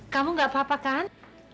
kamu gak apa apa kan